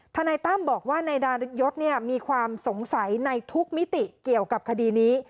นายตั้มบอกว่านายดาริยศมีความสงสัยในทุกมิติเกี่ยวกับคดีนี้